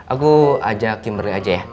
aku ajak kimberly aja ya